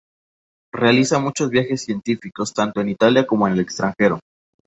Realiza muchos viajes científicos, tanto por Italia como al extranjero.